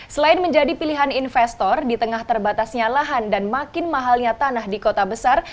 selain menjadi pilihan investor di tengah terbatasnya lahan dan makin mahalnya tanah di kota besar